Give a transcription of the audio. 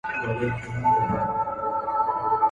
موږ له جاپان څخه مالونه نه راوړو.